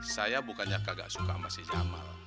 saya bukannya kagak suka sama si jamal